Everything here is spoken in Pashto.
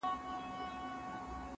کېدای شي زه منډه ووهم!.